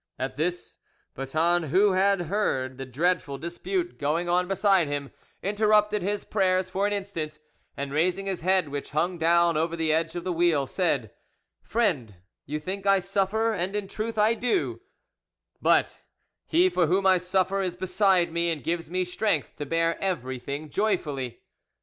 At this, Boeton, who had heard the dreadful dispute going on beside him, interrupted his prayers for an instant, and raising his head, which hung down over the edge of the wheel, said, "Friend, you think I suffer, and in truth I do; but He for whom I suffer is beside me and gives me strength to bear everything joyfully."